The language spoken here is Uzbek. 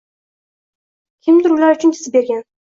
Kimdur ular uchun chizib bergan